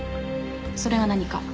それが何か？